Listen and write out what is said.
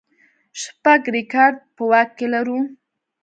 بشپړ ریکارډ په واک کې لرو.